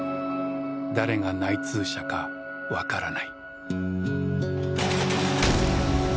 誰が内通者か分からない。